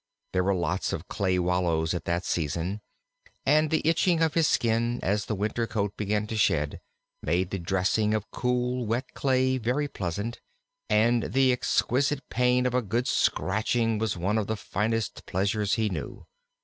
There were lots of clay wallows at that season, and the itching of his skin, as the winter coat began to shed, made the dressing of cool, wet clay very pleasant, and the exquisite pain of a good scratching was one of the finest pleasures he knew.